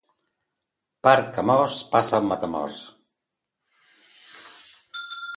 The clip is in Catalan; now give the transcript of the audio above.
Per Camós passa el Matamors